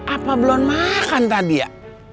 apa belum makan tadi ya